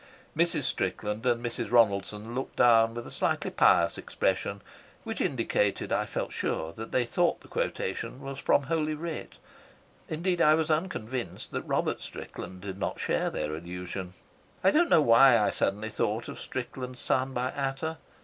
Mrs. Strickland and Mrs. Ronaldson looked down with a slightly pious expression which indicated, I felt sure, that they thought the quotation was from Holy Writ. Indeed, I was unconvinced that Robert Strickland did not share their illusion. I do not know why I suddenly thought of Strickland's son by Ata.